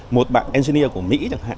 một bạn engineer của mỹ chẳng hạn